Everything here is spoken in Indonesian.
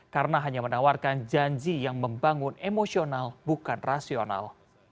karena hanya menawarkan janji yang membangun emosional bukan rasional